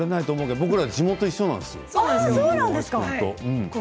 僕ら地元一緒なんです。